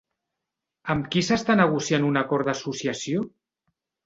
Amb qui s'està negociant un acord d'associació?